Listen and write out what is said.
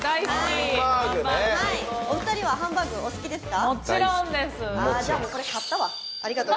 お二人はハンバーグ、お好きですか？